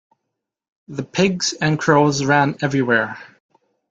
The pigs and cows ran everywhere.